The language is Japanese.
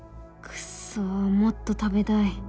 クッソもっと食べたい